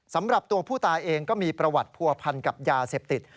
สำหรับตัวผู้ตายเองก็มีประวัติผัวพันกับยาเสพติด